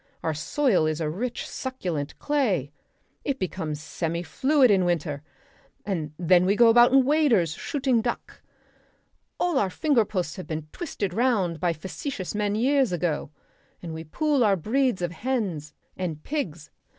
Our soil is a rich succulent clay; it becomes semi fluid in winter when we go about in waders shooting duck. All our fingerposts have been twisted round by facetious men years ago. And we pool our breeds of hens and pigs.